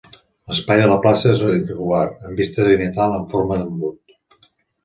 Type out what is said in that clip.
L'espai de la plaça és irregular amb vista zenital en forma d'embut.